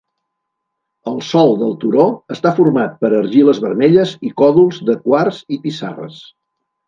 El sòl del turó està format per argiles vermelles i còdols de quars i pissarres.